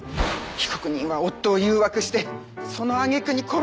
被告人は夫を誘惑してその揚げ句に殺したんです！